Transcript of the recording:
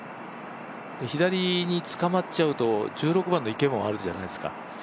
左につかまっちゃうと１６番の池もあるじゃないですか。